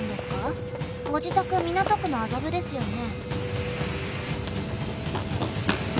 「ご自宅港区の麻布ですよね？」・・